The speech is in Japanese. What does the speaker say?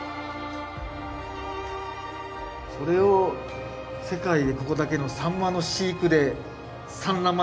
それを世界でここだけのサンマの飼育で産卵まで見られると。